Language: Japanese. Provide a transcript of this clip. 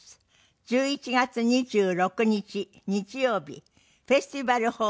１１月２６日日曜日フェスティバルホール。